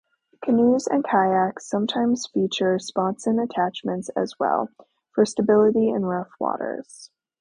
Canoes and kayaks sometimes feature sponson attachments as well, for stability in rough waters.